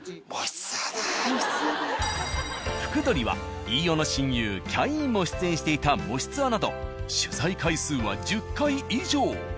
「福来鳥」は飯尾の親友キャインも出演していた「もしツア」など取材回数は１０回以上。